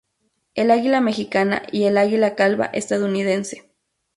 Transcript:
El Aguila Mexicana y el Aguila Calva Estadounidense.